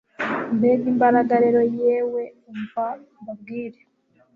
Mbega imbaraga rero yewe umva mbabwire